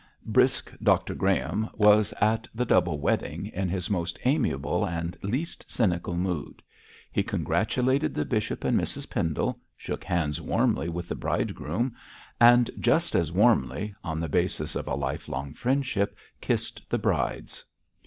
Brisk Dr Graham was at the double wedding, in his most amiable and least cynical mood. He congratulated the bishop and Mrs Pendle, shook hands warmly with the bridegroom, and just as warmly on the basis of a life long friendship kissed the brides.